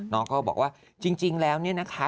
น้องก็บอกว่าจริงแล้วเนี่ยนะคะ